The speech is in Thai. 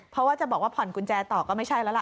เพราะว่าจะบอกว่าผ่อนกุญแจต่อก็ไม่ใช่แล้วล่ะ